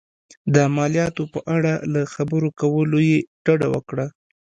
د مالیاتو په اړه له خبرو کولو یې ډډه وکړه.